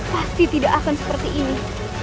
pasti tidak akan seperti ini